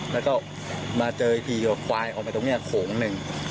แล้วก็มาเจออีกทีควายออกมาตรงนี้โขงหนึ่ง